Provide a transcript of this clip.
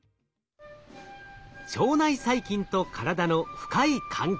腸内細菌と体の深い関係。